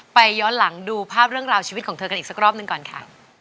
ย้อนหลังดูภาพเรื่องราวชีวิตของเธอกันอีกสักรอบหนึ่งก่อนค่ะ